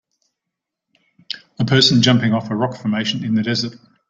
A person jumping off a rock formation in the desert.